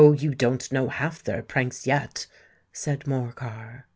you don't know half their pranks, yet," said Morcar.